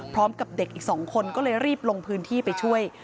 พร้อมกับเด็กอีก๒คนก็เลยรีบลงพื้นที่ไปช่วย